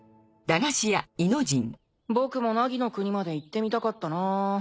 僕も凪の国まで行ってみたかったなぁ。